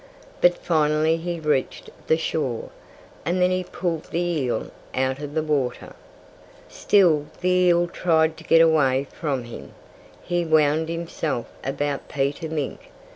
But finally he reached the shore. And then he pulled the eel out of the water. Still the eel tried to get away from him. He wound himself about Peter Mink.